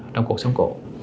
trong cột sống cổ